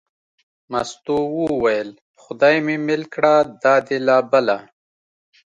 مستو وویل: خدای مې مېل کړه دا دې لا بله.